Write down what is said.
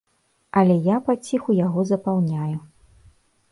Але я паціху яго запаўняю.